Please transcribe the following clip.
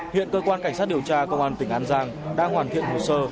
hiện cơ quan cảnh sát điều tra công an tỉnh an giang đang hoàn thiện hồ sơ